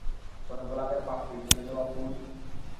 কোনো গোলাপের পাপড়ি, মুড়ে যাওয়া ফুল?